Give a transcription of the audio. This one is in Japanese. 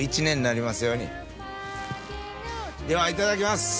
ではいただきます。